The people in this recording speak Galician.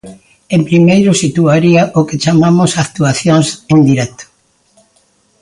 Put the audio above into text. En primeiro situaría o que chamamos actuacións en directo.